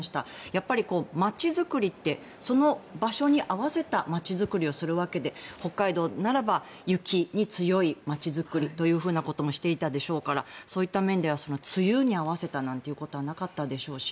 やっぱり、街づくりってその場所に合わせた街づくりをするわけで北海道ならば雪に強い街づくりということもしていたでしょうからそういった面では梅雨に合わせたなんてことはなかったでしょうし